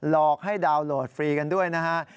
หลอกให้ดาวน์โหลดฟรีกันด้วยนะฮะ